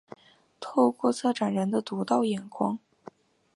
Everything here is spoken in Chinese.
透过策展人的独到眼光